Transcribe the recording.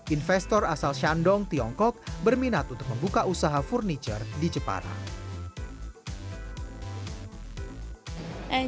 investor asal shandong tiongkok berminat untuk membuka usaha furniture di jepara